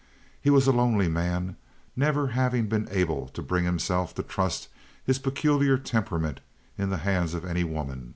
He was a lonely man, never having been able to bring himself to trust his peculiar temperament in the hands of any woman.